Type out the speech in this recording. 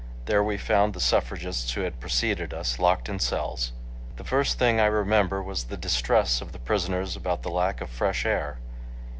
There we found the suffragists who had preceded us, locked in cells. The first thing I remember was the distress of the prisoners about the lack of fresh air.